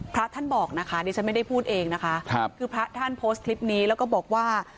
พระท่านบอกนะคะดิฉันไม่ได้พูดเองนะคะครับคือพระท่านโพสต์คลิปนี้แล้วก็บอกว่า